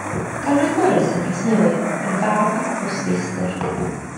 Ganwyd Morris yng Nghasnewydd, yn fab i bostfeistr.